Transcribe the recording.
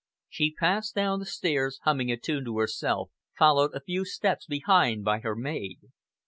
She passed down the stairs, humming a tune to herself, followed a few steps behind by her maid.